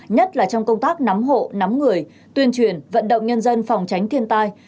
nhất là trong công tác nắm hộ nắm người tuyên truyền vận động nhân dân phòng tránh thiên tai